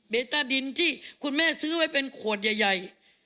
เบต้าดินที่คุณแม่ซื้อไว้เป็นขวดใหญ่